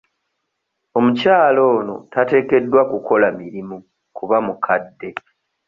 Omukyala ono tateekeddwa kukola mirimu kuba mukadde.